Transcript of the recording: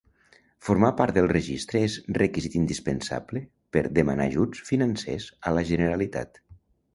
Formar part del registre és requisit indispensable per demanar ajuts financers a la Generalitat.